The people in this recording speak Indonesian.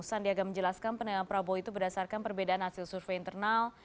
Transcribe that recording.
sandiaga menjelaskan penilaian prabowo itu berdasarkan perbedaan hasil survei internal